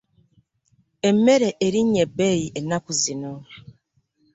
Emmere erinnye ebbeeyi ennaku zino.